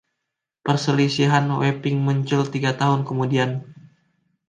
Perselisihan Wapping muncul tiga tahun kemudian.